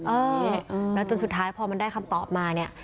เออแล้วจนสุดท้ายพอมันได้คำตอบมาเนี่ย